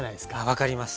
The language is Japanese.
分かります。